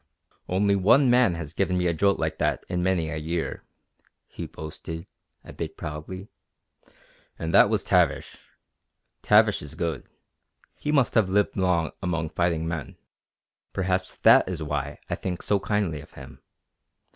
"Only one other man has given me a jolt like that in many a year," he boasted, a bit proudly. "And that was Tavish. Tavish is good. He must have lived long among fighting men. Perhaps that is why I think so kindly of him.